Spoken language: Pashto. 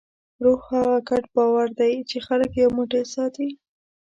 روح هغه ګډ باور دی، چې خلک یو موټی ساتي.